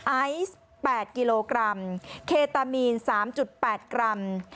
ไอซ์๘กิโลกรัมเคตามีน๓๘กรัม